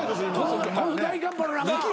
この大寒波の中？